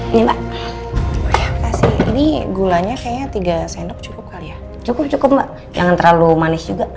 ini mbak kasih ini gulanya kayaknya tiga sendok cukup kali ya cukup cukup mbak jangan terlalu manis juga